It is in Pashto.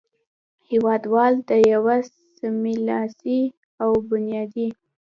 هېوادوال د یوه سملاسي او بنیادي